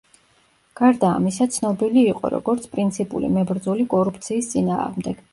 გარდა ამისა ცნობილი იყო, როგორც პრინციპული მებრძოლი კორუფციის წინააღმდეგ.